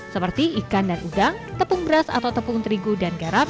seperti ikan dan udang tepung beras atau tepung terigu dan garam